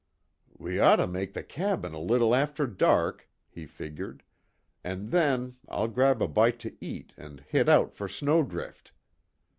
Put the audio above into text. "We ought to make the cabin a little after dark," he figured, "And then I'll grab a bite to eat and hit out for Snowdrift.